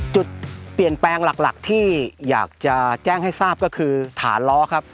จุดเปลี่ยนแปลงหลักที่อยากจะแจ้งให้ทราบก็คือฐานล้อครับ